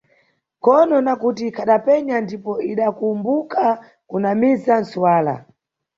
Nkhono, nakuti ikhadapenya, ndipo idakumbuka kunamiza ntsuwala.